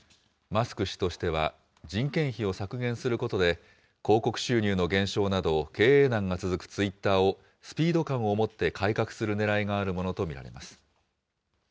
マスク氏としては、人件費を削減することで、広告収入の減少など、経営難が続くツイッターを、スピード感を持って改革するねらいがあるものと見られます。